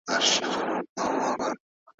دا یو کامل محصول دی.